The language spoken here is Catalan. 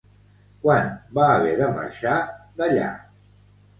Quan va haver de marxar d'allà?